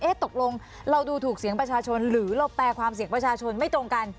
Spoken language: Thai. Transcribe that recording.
ตกลงเราดูถูกเสียงประชาชนหรือเราแปลความเสียงประชาชนไม่ตรงกัน